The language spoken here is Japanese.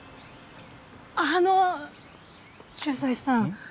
ああの駐在さん。